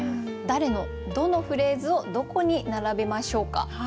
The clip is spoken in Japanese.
誰のどのフレーズをどこに並べましょうか？